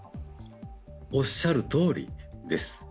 おっしゃるとおりです。